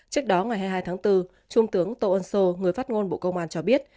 trước đó ngày hai mươi hai tháng bốn trung tướng tô ân sô người phát ngôn bộ công an cho biết